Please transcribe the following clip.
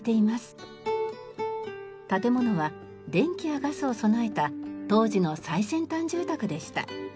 建物は電気やガスを備えた当時の最先端住宅でした。